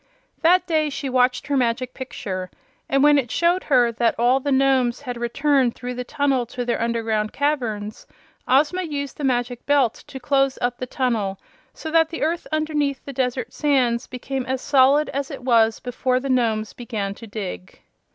That day she watched her Magic Picture, and when it showed her that all the Nomes had returned through the tunnel to their underground caverns, Ozma used the Magic Belt to close up the tunnel, so that the earth underneath the desert sands became as solid as it was before the Nomes began to dig.